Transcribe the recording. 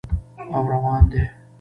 او روان دي